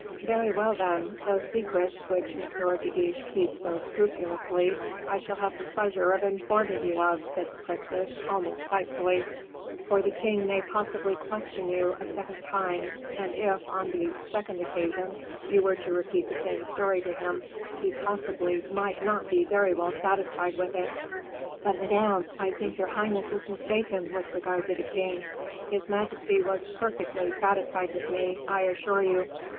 "Very well, then; those secrets which M. de Guiche keeps so scrupulously, I shall have the pleasure of informing you of," said the princess, almost spitefully; "for the king may possibly question you a second time, and if, on the second occasion, you were to repeat the same story to him, he possibly might not be very well satisfied with it." "But, Madame, I think your highness is mistaken with regard to the king. His majesty was perfectly satisfied with me, I assure you."